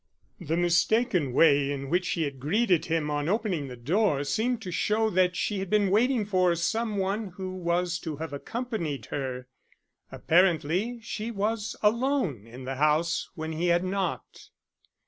The mistaken way in which she had greeted him on opening the door seemed to show that she had been waiting for some one who was to have accompanied her. Apparently she was alone in the house when he had knocked.